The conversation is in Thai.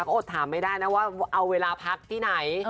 ก็อดถามไม่ได้นะว่าเอาเวลาพักที่ไหน